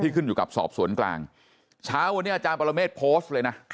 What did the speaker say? ขึ้นอยู่กับสอบสวนกลางเช้าวันนี้อาจารย์ปรเมฆโพสต์เลยนะ